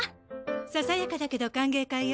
ささやかだけど歓迎会よ。